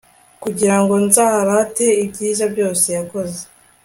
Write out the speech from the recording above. kugira ngo nzarate ibyiza byose yakoze